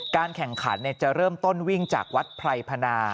แข่งขันจะเริ่มต้นวิ่งจากวัดไพรพนา